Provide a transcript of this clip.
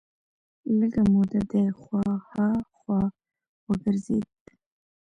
لږه موده دې خوا ها خوا وګرځېد.